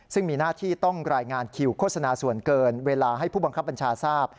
ซึ่งมีหน้าที่ต้องรายงานคิวโฆษณาส่วนเกินเวลาให้ผู้บังคับบัญชาทราบ